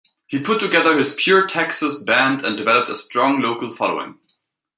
He put together his Pure Texas Band and developed a strong local following.